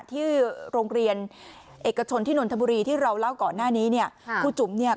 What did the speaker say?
ที่โรงเรียนเอกชนที่นนทบุรีที่เราเล่าก่อนหน้านี้เนี่ยครูจุ๋มเนี่ย